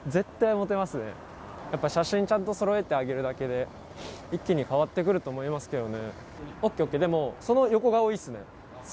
写真、ちゃんとそろえてあげるだけで一気に変わってくると思いますけどね。